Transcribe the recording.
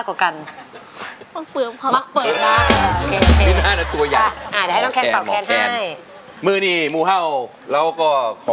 โอเคครับ